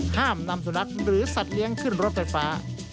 ห้ามนำสุนัขหรือสัตว์เลี้ยงขึ้นรถไฟฟ้า